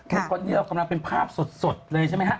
ทุกวันนี้เรากำลังเป็นภาพสดเลยใช่ไหมฮะ